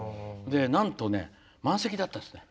なんとね、満席だったんですね。